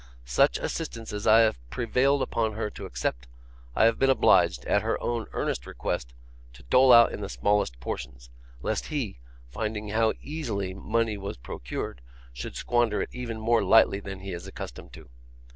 Such assistance as I have prevailed upon her to accept, I have been obliged, at her own earnest request, to dole out in the smallest portions, lest he, finding how easily money was procured, should squander it even more lightly than he is accustomed to do.